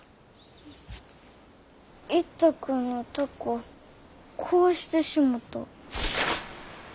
一太君の凧壊してしもた。